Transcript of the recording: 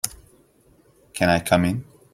Can I come in?